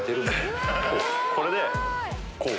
これでこう。